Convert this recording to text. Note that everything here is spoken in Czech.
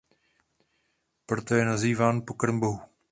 Proto je nazýván "pokrm bohů".